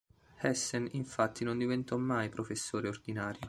Hessen, infatti non diventò mai professore ordinario.